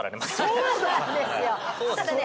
そうなんですよただね。